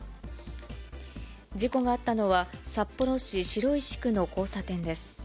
事故があったのは、札幌市白石区の交差点です。